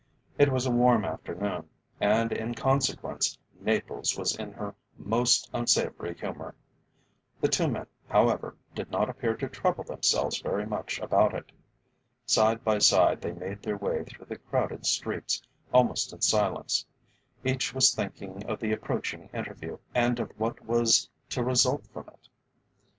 It was a warm afternoon, and in consequence Naples was in her most unsavoury humour. The two men, however, did not appear to trouble themselves very much about it. Side by side they made their way through the crowded streets, almost in silence. Each was thinking of the approaching interview, and of what was to result from it.